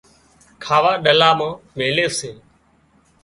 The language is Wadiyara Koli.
کاوا ڏلا مان ميلي سي